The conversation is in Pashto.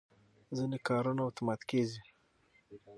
ځینې کارونه اتومات کېږي.